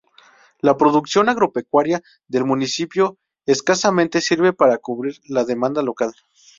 La producción agropecuaria del Municipio escasamente sirve para cubrir la demanda local.